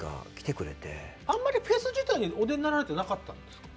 あんまりフェス自体にお出になられてなかったんですか？